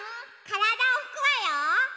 からだをふくわよ。